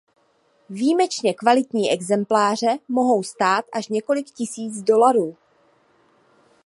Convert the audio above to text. Výjimečně kvalitní exempláře mohou stát až několik tisíc dolarů.